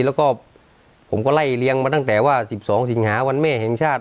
แล้วก็ผมก็ไล่เลี้ยงมาตั้งแต่ว่า๑๒สิงหาวันแม่แห่งชาติ